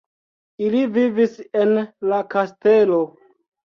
Ili vivis en la kastelo.